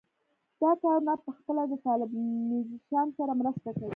دا کارونه پخپله له طالبانیزېشن سره مرسته کوي.